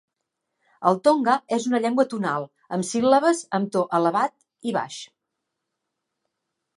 El tonga és una llengua tonal, amb síl·labes amb to elevat i baix.